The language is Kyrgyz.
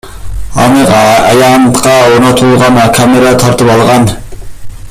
Аны аянтка орнотулган камера тартып алган.